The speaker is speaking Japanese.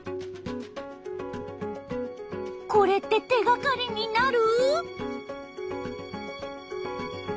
これって手がかりになる？